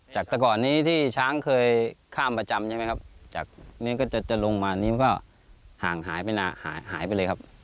จากตะก่อนนี้ที่ช้างเคยข้ามประจำนะครับจากนี้ก็จะลงมานี้ก็ห่างหายไปเลยครับ